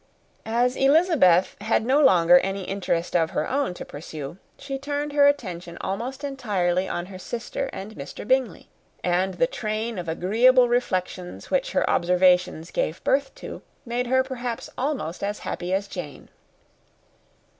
As Elizabeth had no longer any interest of her own to pursue, she turned her attention almost entirely on her sister and Mr. Bingley; and the train of agreeable reflections which her observations gave birth to made her perhaps almost as happy as Jane.